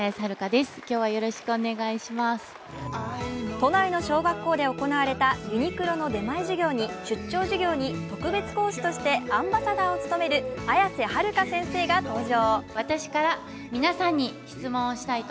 都内の小学校で行われたユニクロの出張授業に特別講師としてアンバサダーを務める綾瀬はるか先生が登場。